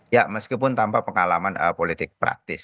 ya meskipun tanpa pengalaman politik praktis